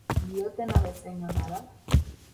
Diotena bezain ona da?